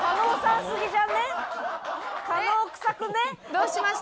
どうしました？